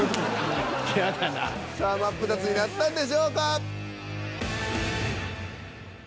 さあマップタツになったんでしょうか？